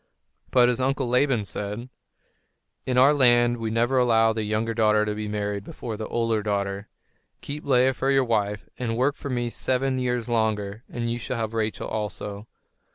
But his uncle Laban said: "In our land we never allow the younger daughter to be married before the older daughter. Keep Leah for your wife, and work for me seven years longer, and you shall have Rachel also."